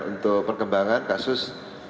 untuk perkembangan kasus